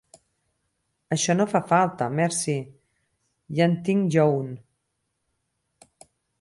Això no fa falta, merci, ja en tinc jo un.